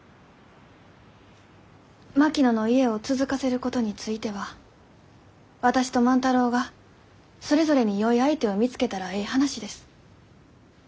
槙野の家を続かせることについては私と万太郎がそれぞれによい相手を見つけたらえい話です。